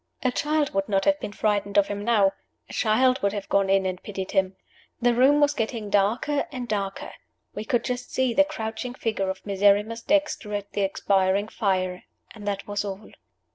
A child would not have been frightened of him now. A child would have gone in and pitied him. The room was getting darker and darker. We could just see the crouching figure of Miserrimus Dexter at the expiring fire and that was all.